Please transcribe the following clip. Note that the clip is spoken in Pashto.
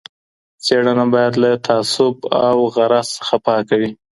څېړنه باید له تعصب او غرض څخه پاکه وي.